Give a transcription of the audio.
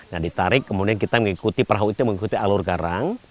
nah ditarik kemudian kita mengikuti perahu itu mengikuti alur garang